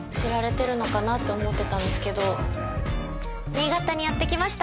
新潟にやってきました